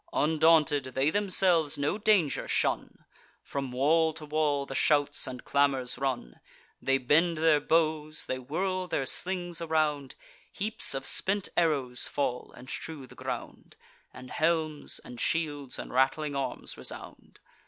Undaunted, they themselves no danger shun; From wall to wall the shouts and clamours run. They bend their bows; they whirl their slings around; Heaps of spent arrows fall, and strew the ground; And helms, and shields, and rattling arms resound.